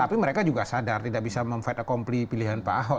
tapi mereka juga sadar tidak bisa mem fight accompli pilihan pak ahok